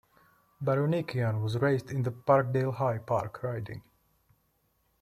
Baronikian was raised the Parkdale-High Park riding.